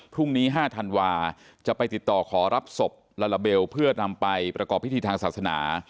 พรุ่งนี้๕ธันวาจะไปติดต่อขอรับศพลาลาเบลเพื่อนำไปประกอบพิธีทางศาสนา